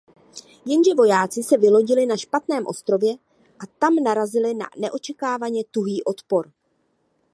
Jenže vojáci se vylodili na špatném ostrově a tam narazili na neočekávaně tuhý odpor.